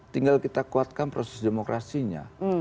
tinggal kita kuatkan proses demokrasinya